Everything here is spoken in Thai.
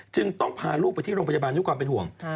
จึงต้องพาลูกไปที่โรงพยาบาลด้วยความเป็นห่วง